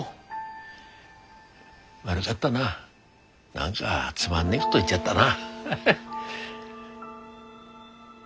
何かつまんねえこと言っちゃったな。